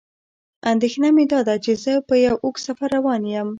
اندېښنه مې داده چې زه په یو اوږد سفر روان یم.